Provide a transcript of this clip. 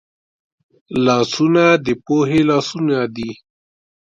لاسونه د پوهې لاسونه دي